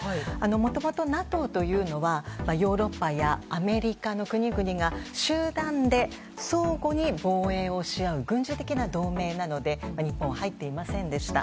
もともとＮＡＴＯというのはヨーロッパやアメリカの国々が集団で相互に防衛をし合う軍事的な同盟なので日本は入っていませんでした。